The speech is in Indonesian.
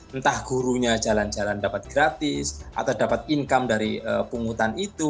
entah gurunya jalan jalan dapat gratis atau dapat income dari pungutan itu